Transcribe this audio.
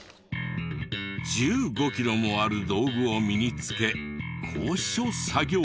１５キロもある道具を身につけ高所作業。